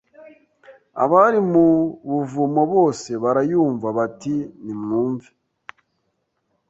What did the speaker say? Abari mu buvumo bose barayumva bati nimwumve